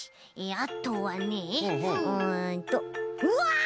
あとはねうんとうわっ！